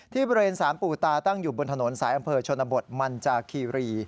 บริเวณสารปู่ตาตั้งอยู่บนถนนสายอำเภอชนบทมันจากคีรี